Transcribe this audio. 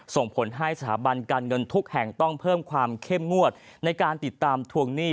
ส่งผลให้สถาบันการเงินทุกแห่งต้องเพิ่มความเข้มงวดในการติดตามทวงหนี้